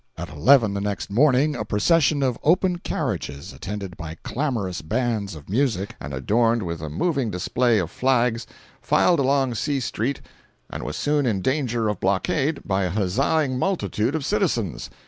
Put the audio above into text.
At eleven the next morning a procession of open carriages, attended by clamorous bands of music and adorned with a moving display of flags, filed along C street and was soon in danger of blockade by a huzzaing multitude of citizens.